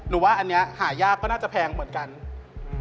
ผมว่าอันนี้หายากก็น่าจะแพงก็เป็นอันล่ะ